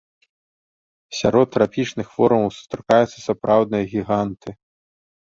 Сярод трапічных формаў сустракаюцца сапраўдныя гіганты.